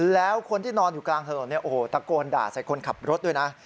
แล้วคนที่นอนอยู่กลางถนนเนี่ยโอ้โหตะโกนด่าใส่คนขับรถด้วยนะ